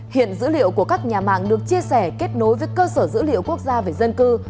hiện dữ liệu của các nhà mạng được chia sẻ kết nối với cơ sở dữ liệu quốc gia về dân cư